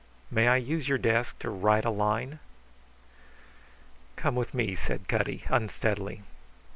May I use your desk to write a line?" "Come with me," said Cutty, unsteadily.